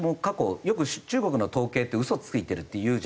よく中国の統計って嘘ついてるっていうじゃないですか。